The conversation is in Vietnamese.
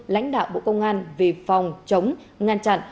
lãnh đạo bộ công an vì phòng chống ngăn chặn